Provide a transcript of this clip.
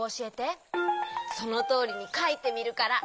そのとおりにかいてみるから。